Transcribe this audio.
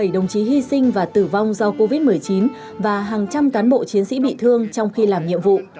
bảy đồng chí hy sinh và tử vong do covid một mươi chín và hàng trăm cán bộ chiến sĩ bị thương trong khi làm nhiệm vụ